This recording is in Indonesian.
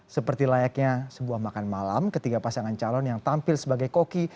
seperti layaknya sebuah makan malam ketiga pasangan calon yang tampil sebagai koki